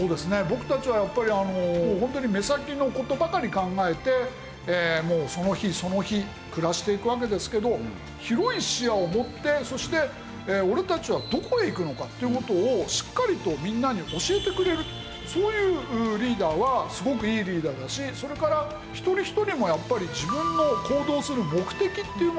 僕たちはやっぱりホントに目先の事ばかり考えてその日その日暮らしていくわけですけど広い視野を持ってそして俺たちはどこへ行くのかっていう事をしっかりとみんなに教えてくれるそういうリーダーはすごくいいリーダーだしそれから一人一人もやっぱり自分の行動する目的っていうものをですね